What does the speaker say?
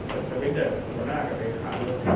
แต่มีแต่หัวหน้ากับเพียงค้าหรือเปล่า